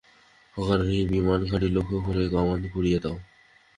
হাগারু রি বিমান ঘাঁটি লক্ষ্য করে কামান ঘুরিয়ে দাও!